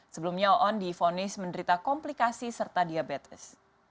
sebelumnya oon difonis menderita komplikasi serta diabetes